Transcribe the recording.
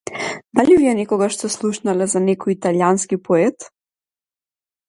Дали вие некогаш сте слушнале за некој италијански поет?